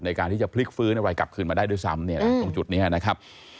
ในการที่จะพลิกฟื้นอะไรกลับคืนมาได้ด้วยซ้ำ